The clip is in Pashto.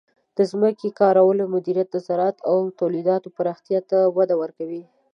د ځمکې کارولو مدیریت د زراعت او تولیداتو پراختیا ته وده ورکوي.